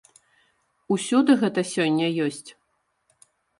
Усюды гэта сёння ёсць?